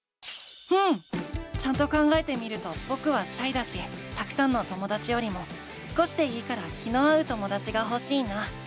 うん！ちゃんと考えてみるとぼくはシャイだしたくさんのともだちよりも少しでいいから気の合うともだちがほしいな。